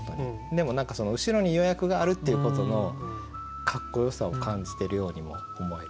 でも何かその後ろに予約があるっていうことのかっこよさを感じてるようにも思えて。